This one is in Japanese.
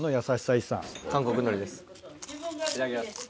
いただきます。